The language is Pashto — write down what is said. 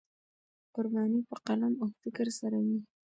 قرباني په قلم او فکر سره وي.